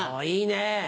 いいねぇ！